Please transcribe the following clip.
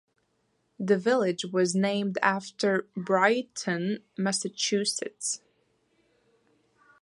The village was named after Brighton, Massachusetts.